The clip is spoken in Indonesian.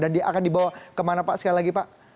dan dia akan dibawa kemana pak sekali lagi pak